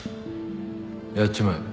やっちまえ。